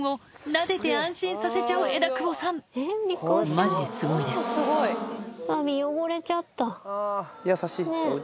なでて安心させちゃう枝久保さんマジすごいですタビ汚れちゃったねぇ。